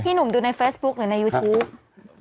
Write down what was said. หนุ่มดูในเฟซบุ๊คหรือในยูทูป